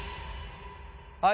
はい。